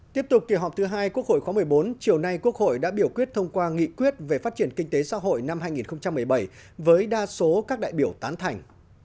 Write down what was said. tiếp tục kỳ họp thứ hai quốc hội khóa một mươi bốn chiều nay quốc hội đã biểu quyết thông qua nghị quyết về phát triển kinh tế xã hội năm hai nghìn một mươi bảy với đa số các đại biểu tán thành